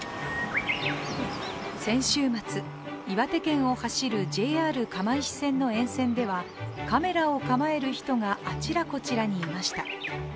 先週末、岩手県を走るＪＲ釜石線の沿線ではカメラを構える人があちらこちらにいました。